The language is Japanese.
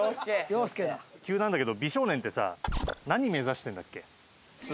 急なんだけど美少年って何目指してるんだっけ？